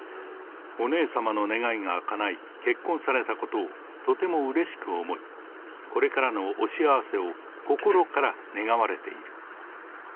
お姉様の願いがかない、結婚されたことをとてもうれしく思い、これからのお幸せを心から願われている。